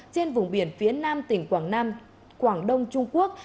trên vùng biển phía nam tỉnh quảng nam quảng đông trung quốc